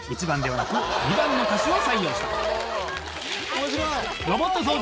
面白い！